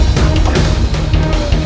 terima kasih yang semua